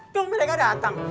tung mereka dateng